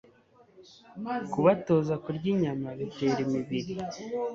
Kubatoza kurya inyama bitera imibiri